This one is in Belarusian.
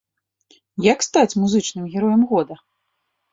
Як стаць музычным героем года?